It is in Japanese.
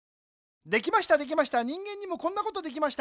できましたできました人間にもこんなことできました。